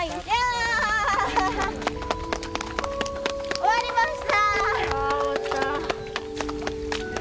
終わりました！